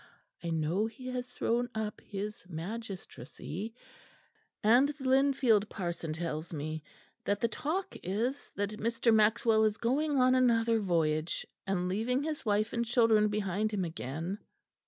I know he has thrown up his magistracy, and the Lindfield parson tells me that the talk is that Mr. Maxwell is going on another voyage, and leaving his wife and children behind him again."